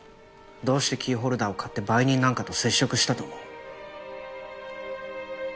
どうしてキーホルダーを買って売人なんかと接触したと思う？